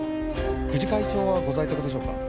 久慈会長はご在宅でしょうか？